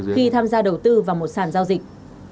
khi tham gia đầu tư vào một sàn giao dịch